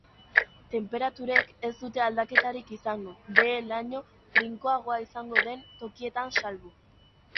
Tenperaturek ez dute aldaketarik izango, behe-laino trinkoagoa izango den tokietan salbu.